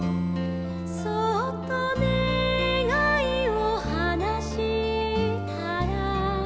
「そっとねがいをはなしたら」